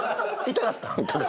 痛かった。